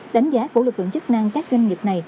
đánh giá của lực lượng chức năng các doanh nghiệp này